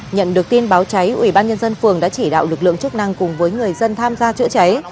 nhận được tin báo cháy ủy ban nhân dân phường đã chỉ đạo lực lượng chức năng cùng với người dân tham gia chữa cháy